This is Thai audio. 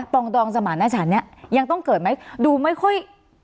ปรองดองสมันต์หน้าฉันเนี้ยยังต้องเกิดไหมดูไม่ค่อย